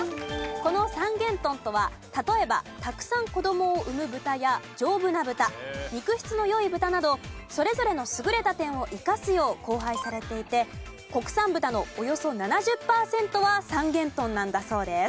この三元豚とは例えばたくさん子供を産む豚や丈夫な豚肉質の良い豚などそれぞれの優れた点を生かすよう交配されていて国産豚のおよそ７０パーセントは三元豚なんだそうです。